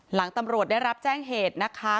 หลังตำรวจได้รับแจ้งเหตุนะคะ